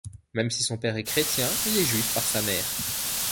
Même si son père est chrétien, il est juif par sa mère.